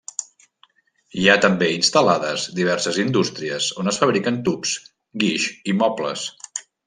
Hi ha també instal·lades diverses indústries on es fabriquen tubs, guix i mobles.